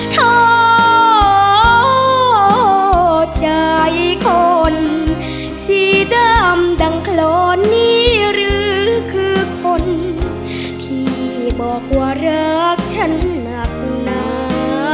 โทษใจคนสีดำดังโคลอนนี้หรือคือคนที่บอกว่ารักฉันหนักหนา